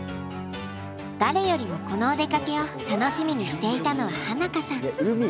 誰よりもこのお出かけを楽しみにしていたのは花香さん。